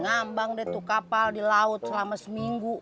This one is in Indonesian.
ngambang deh tuh kapal di laut selama seminggu